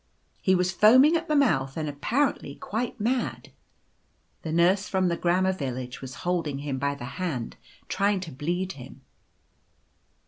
He was foaming at the mouth and apparently quite mad. The Nurse from the Grammar Village was holding him by the hand, trying to bleed him.